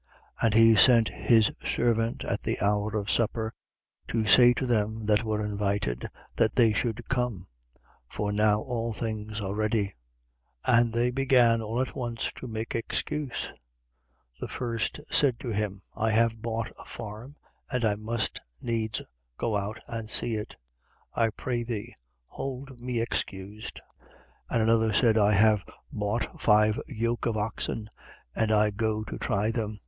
14:17. And he sent his servant at the hour of supper to say to them that were invited, that they should come: for now all things are ready. 14:18. And they began all at once to make excuse. The first said to him: I have bought a farm and I must needs go out and see it. I pray thee, hold me excused. 14:19. And another said: I have bought five yoke of oxen and I go to try them.